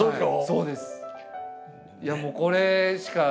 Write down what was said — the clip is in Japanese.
そうです。